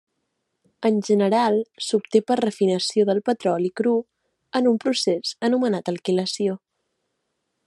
En general s'obté per refinació del petroli cru en un procés anomenat alquilació.